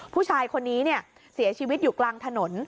ผู้ชายคนนี้เสียชีวิตอยู่กลางถนน